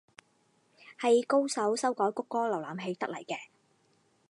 係高手修改谷歌瀏覽器得嚟嘅